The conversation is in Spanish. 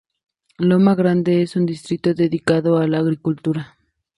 Loma Grande es un distrito dedicado a la agricultura.